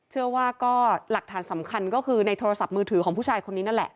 เชื่อว่าก็หลักฐานสำคัญก็คือในโทรศัพท์มือถือของผู้ชายคนนี้นั่นแหละ